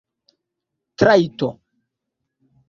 trajto